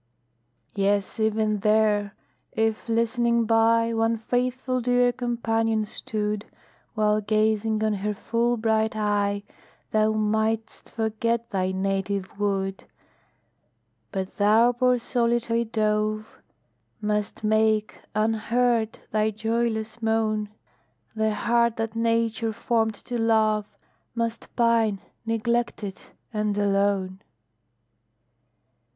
Yes, even there, if, listening by, One faithful dear companion stood, While gazing on her full bright eye, Thou mightst forget thy native wood But thou, poor solitary dove, Must make, unheard, thy joyless moan; The heart that Nature formed to love Must pine, neglected, and alone.